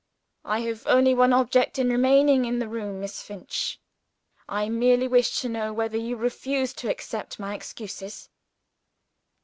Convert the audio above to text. "I have only one object in remaining in the room, Miss Finch. I merely wish to know whether you refuse to accept my excuses.